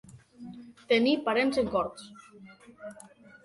Tenir parents en Corts.